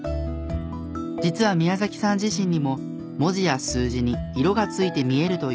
実は宮さん自身にも文字や数字に色が付いて見えるという個性がありました。